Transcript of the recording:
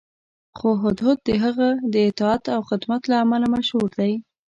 خو هدهد د هغه د اطاعت او خدمت له امله مشهور دی.